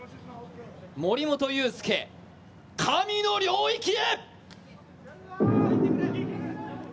森本裕介、神の領域へ。